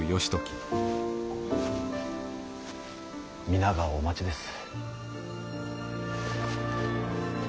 皆がお待ちです。